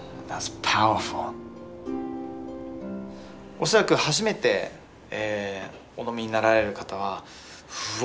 おそらく初めてお飲みになられる方はうわ